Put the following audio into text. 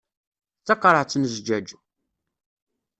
D taqerɛet n jjaj.